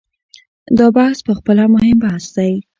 دا بحث په خپله مهم بحث دی.